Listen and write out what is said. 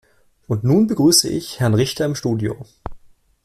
Und nun begrüße ich Herrn Richter im Studio.